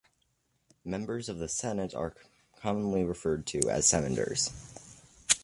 Members of the Senate are commonly referred to as senators.